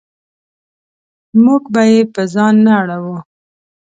موږ به یې په ځان نه اړوو.